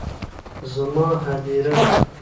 زما هديره